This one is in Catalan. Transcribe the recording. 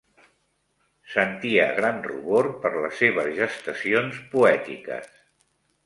Sentia gran rubor per les seves gestacions poètiques